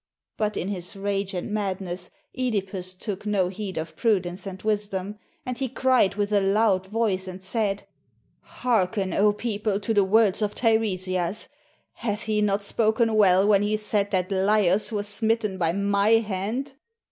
But in his rage and madness, (Edipus took no heed of prudence and wisdom, and he cried with a loud voice, and said, "Hearken, 0 people, to the words of Teiresias; hath he not spoken well when he said that Laios was smitten by my hand?